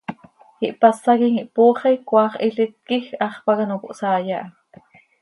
Ihpásaquim ihpooxi, cmaax hilít quij hax pac ano cohsaai aha.